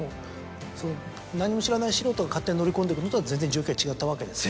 何も知らない素人が勝手に乗り込んでいくのとは全然状況は違ったわけですね。